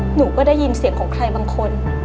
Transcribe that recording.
หนูก็ได้ยินเสียงของใครบางคน